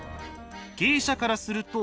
芸者からすると。